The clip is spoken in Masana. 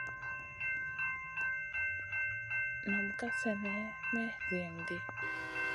Nam ka slenè may zihim ɗi.